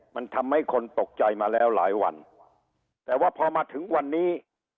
มันทำให้คนตกใจมาแล้วหลายวันแต่ว่าพอมาถึงวันนี้